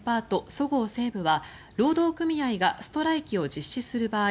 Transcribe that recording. そごう・西武は労働組合がストライキを実施する場合